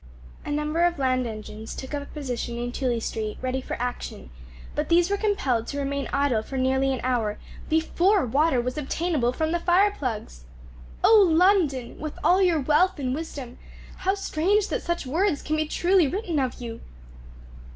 A number of land engines took up a position in Tooley Street, ready for action, but these were compelled to remain idle for nearly an hour before water was obtainable from the fire plugs. O London! with all your wealth and wisdom, how strange that such words can be truly written of you!